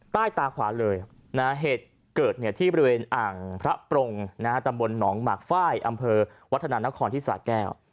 ใต้ตาขวาเลยนะเหตุเกิดที่บริเวณอ่างพระปรงตำบลหนองหมากฝ้ายอำเภอวัฒนานครที่สาแก้ว